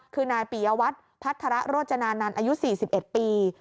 คือนายปียวัตรพัฒระโรจนานันต์อายุ๔๑ปี